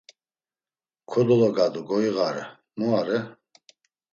Kodologadu goiğare, mu are!